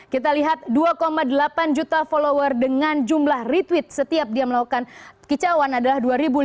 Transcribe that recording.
kita lihat dua delapan juta follower dengan jumlah retweet setiap dia melakukan kicauan adalah dua lima ratus